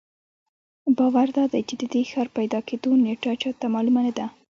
باور دادی چې د دې ښار پیدا کېدو نېټه چا ته معلومه نه ده.